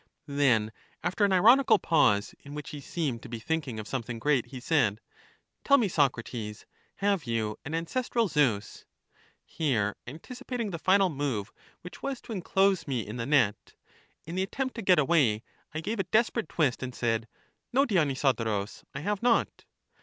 Then, after an ironical pause, in which he seemed to be thinking of something great, he said: Tell me, Socrates, have you an ancestral Zeus? Here antici pating the final move which was to enclose me in the net, in the attempt to get away, I gave a desperate twist and said : No, Dionysodorus, I have not.